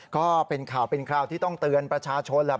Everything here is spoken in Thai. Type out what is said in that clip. ก็เป็นข่าวเป็นคราวที่ต้องเตือนประชาชนแหละ